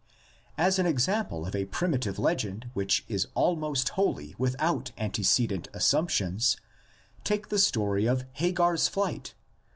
As an example of a primitive legend which is almost wholly without antecedent assumptions, take the story of Hagar's flight.